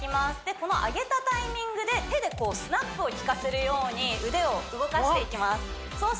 この上げたタイミングで手でスナップをきかせるように腕を動かしていきます